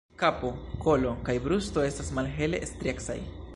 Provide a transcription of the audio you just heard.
Kapo, kolo kaj brusto estas malhele striecaj.